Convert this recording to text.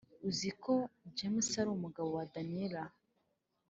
uziko james ari umugabo wa daniella